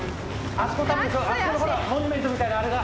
あそこのほらモニュメントみたいなあれが。